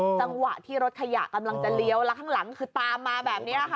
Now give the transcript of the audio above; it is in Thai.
จังหวะที่รถขยะกำลังจะเลี้ยวแล้วข้างหลังคือตามมาแบบนี้ค่ะ